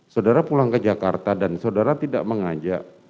saudara pulang ke jakarta dan saudara tidak mengajak